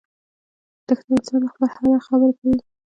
دښته انسان له خپل حده خبر کوي.